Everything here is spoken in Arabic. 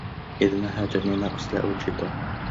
إذا ما هجاني ناقص لا أجيبه